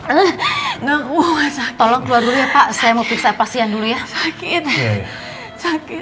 enggak mau tolong keluar dulu ya pak saya mau paksian dulu ya sakit sakit